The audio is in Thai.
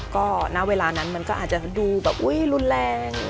ก็ณเวลานั้นมันก็อาจจะดูแบบอุ๊ยรุนแรง